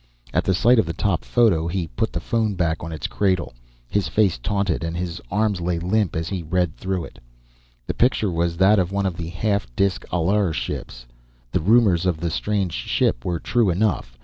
At the sight of the top photo, he put the phone back on its cradle. His face tautened and his arms lay limp as he read through it. The picture was that of one of the half disk Allr ships. The rumors of the strange ship were true enough.